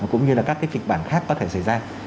cũng như là các cái kịch bản khác có thể xảy ra